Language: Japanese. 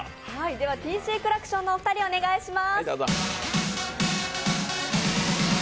ＴＣクラクションのお二人、お願いします。